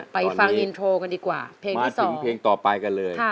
เพลงที่๒มาถึงเพลงต่อไปกันเลย